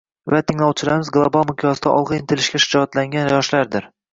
va tinglovchilarimiz global miqyosda olgʻa intilishga shijoatlangan yoshlardir.